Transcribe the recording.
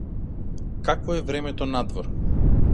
Какво е времето надвор?